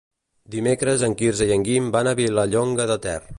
Dimecres en Quirze i en Guim van a Vilallonga de Ter.